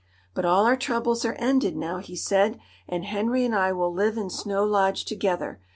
"But all our troubles are ended now," he said, "and Henry and I will live in Snow Lodge together.